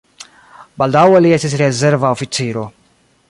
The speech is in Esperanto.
Baldaŭe li estis rezerva oficiro.